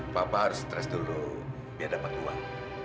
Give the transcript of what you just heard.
papa harus stres dulu biar dapat uang